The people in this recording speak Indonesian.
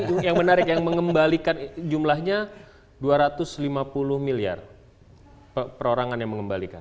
itu yang menarik yang mengembalikan jumlahnya dua ratus lima puluh miliar perorangan yang mengembalikan